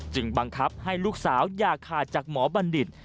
บังคับให้ลูกสาวอย่าขาดจากหมอบัณฑิต